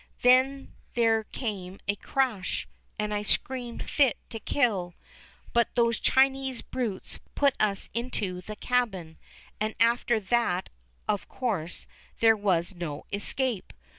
Then there came a crash, and I screamed fit to kill, but those Chinese brutes put us into the cabin, and after that of course there was no escape.